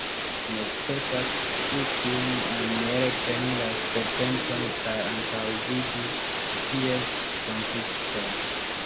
Necesas scii kiumaniere preni la serpenton kaj antaŭvidi ties konduton.